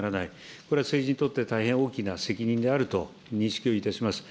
これは政治にとって大変大きな責任であると認識をいたします。